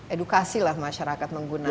edukasilah masyarakat menggunakan